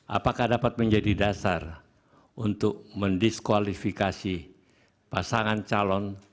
apakah dapat menjadi dasar untuk mendiskualifikasi pasangan calon